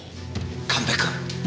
神戸君！